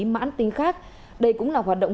mãn tính khác đây cũng là hoạt động